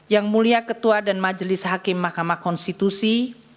yang mulia ketua dan majelis hakim mahkamah konstitusi